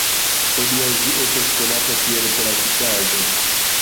Hodiaŭ ĝi estas konata kiel klasikaĵo.